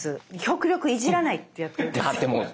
極力いじらないってやってるんですよ。